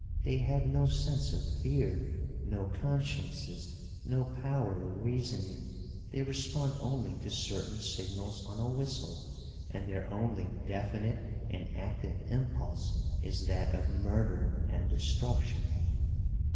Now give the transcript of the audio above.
They have no sense of fear, no consciences, no power of reasoning. They respond only to certain signals on a whistle and their only definite and active impulse is that of murder and destruction."